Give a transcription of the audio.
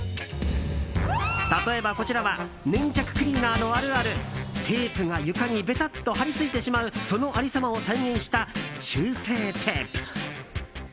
例えば、こちらは粘着クリーナーのあるあるテープが床にベタッと貼りついてしまうその有り様を再現した修正テープ。